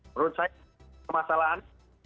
menurut saya permasalahan